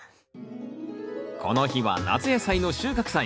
この日は夏野菜の収穫祭。